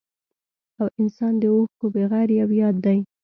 او انسان د اوښکو بغير يو ياد دی